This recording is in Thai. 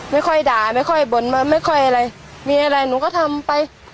ไม่ค่อยด่าไม่ค่อยบ่นมาไม่ค่อยอะไรมีอะไรหนูก็ทำไป